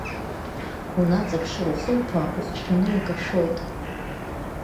Унаҵаԥшыр ухылԥа ухшәаны икашәоит.